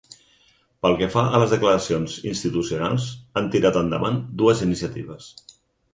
Pel que fa a les declaracions institucionals, han tirat endavant dues iniciatives.